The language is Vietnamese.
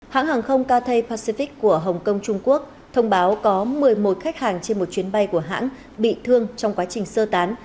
hãng hàng không kt pacific của hồng kông trung quốc thông báo có một mươi một khách hàng trên một chuyến bay của hãng bị thương trong quá trình sơ tán